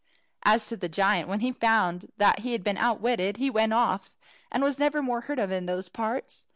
As to the giant, when he found that he had been outwitted, he went off, and was never more heard of in those parts.